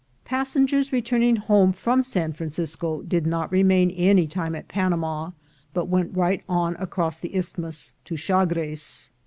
Passengers returning from San Francisco did not remain any time in Panama, but went right on across the Isthmus to Chagres.